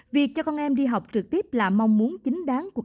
việc cho con em đi học trực tiếp là mong muốn chính đáng